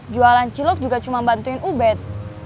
jualan cilok juga cuma bantuin ubed